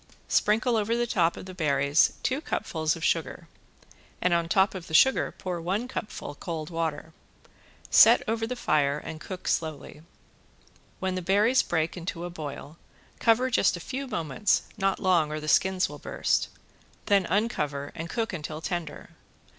Sprinkle over the top of the berries two cupfuls of sugar and on top of the sugar pour one cupful cold water. Set over the fire and cook slowly. When the berries break into a boil, cover just a few moments, not long, or the skins will burst, then uncover and cook until tender.